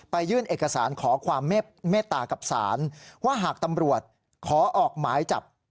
ยื่นเอกสารขอความเมตตากับศาลว่าหากตำรวจขอออกหมายจับ